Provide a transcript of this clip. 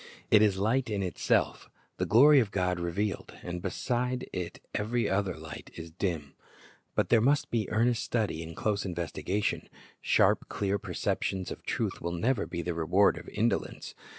It is light in itself, — the glory of God revealed; and beside it every other light is dim. But there must be earnest study and close investigation. Sharp, clear perceptions of truth will never be the reward of indolence.